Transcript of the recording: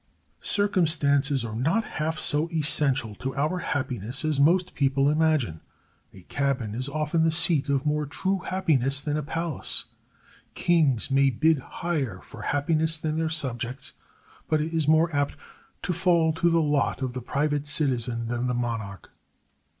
Circumstances are not half so essential to our happiness as most people imagine. A cabin is often the seat of more true happiness than a palace. Kings may bid higher for happiness than their subjects, but it is more apt to fall to the lot of the private citizen than the monarch.